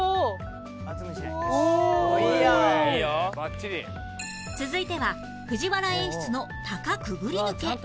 続いては藤原演出のタカくぐり抜け